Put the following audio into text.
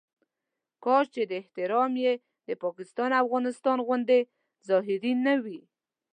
کاش چې دا احترام یې د پاکستان او افغانستان غوندې ظاهري نه وي.